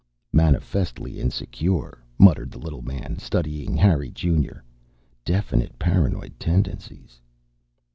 "Manifestly insecure," muttered the little man, studying Harry Junior. "Definite paranoid tendencies."